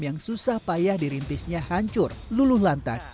yang susah payah dirintisnya hancur luluh lantak